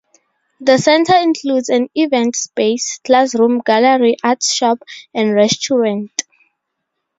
The centre includes an event space, classroom, gallery, art shop, and restaurant.